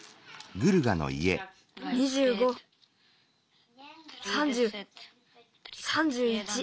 ２５３０３１。